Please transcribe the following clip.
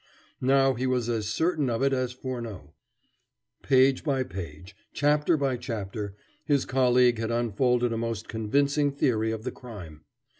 Now he was as certain of it as Furneaux. Page by page, chapter by chapter, his colleague had unfolded a most convincing theory of the crime.